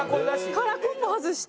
カラコンも外して。